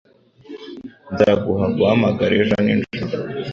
Nzaguha guhamagara ejo nijoro.